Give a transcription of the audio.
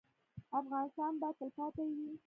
افغانستان به تلپاتې وي؟